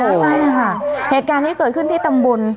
ใช่ค่ะเหตุการณ์นี้เกิดขึ้นที่ตำบล